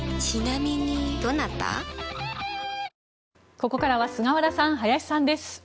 ここからは菅原さん、林さんです。